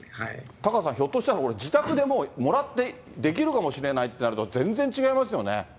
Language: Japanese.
タカさん、これ、自宅でももらってできるかもしれないってなると、全然違いますよね。